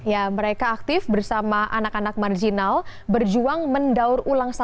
ya mereka aktif bersama anak anak marginal berjuang mendaur ulang sampah